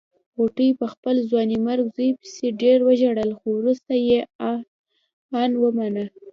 غوټۍ په خپل ځوانيمرګ زوی پسې ډېر وژړل خو روسته يې ان ومانه.